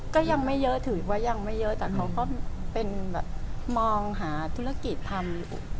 ก็ยังไม่เยอะถือว่ายังไม่เยอะแต่เขาก็เป็นแบบมองหาธุรกิจทำ